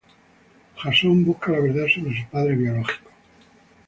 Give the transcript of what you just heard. Jason busca la verdad sobre su padre biológico.